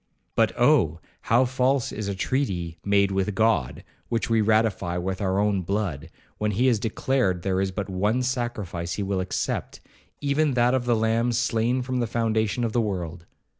But Oh! how false is a treaty made with God, which we ratify with our own blood, when he has declared there is but one sacrifice he will accept, even that of the Lamb slain from the foundation of the world!